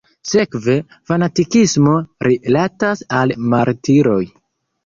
Sekve, fanatikismo rilatas al martiroj.